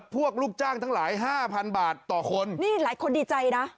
ลูกจ้างทั้งหลายห้าพันบาทต่อคนนี่หลายคนดีใจนะ